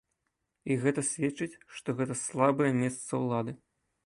І гэта сведчыць, што гэта слабое месца улады.